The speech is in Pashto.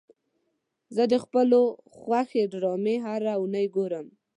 زه د خپلو خوښې ډرامې هره اونۍ ګورم.